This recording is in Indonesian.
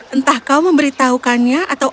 entah kau memberitahu kakakku tentang kita di pesta besok